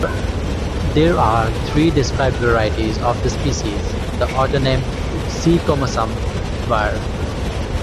There are three described varieties of the species: the autonym "C. comosum" var.